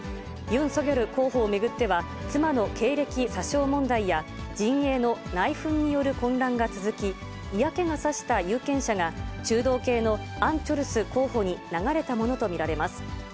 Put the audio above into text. ユン・ソギョル候補を巡っては、妻の経歴詐称問題や陣営の内紛による混乱が続き、嫌気がさした有権者が、中道系のアン・チョルス候補に流れたものと見られます。